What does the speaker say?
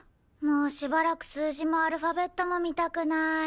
もうしばらく数字もアルファベットも見たくない。